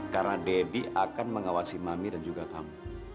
karena daddy akan mengawasi mami dan juga kamu